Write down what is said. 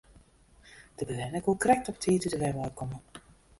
De bewenner koe krekt op 'e tiid út de wenwein komme.